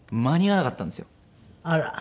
あら。